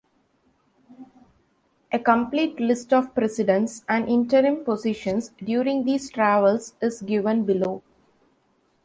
A complete list of presidents, and interim positions during these travels, is given below.